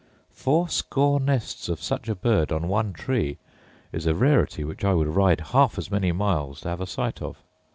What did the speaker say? Fourscore nests of such a bird on one tree is a rarity which I would ride half as many miles to have a sight of.